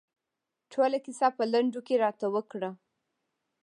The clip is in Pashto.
ټوله کیسه په لنډو کې راته وکړه.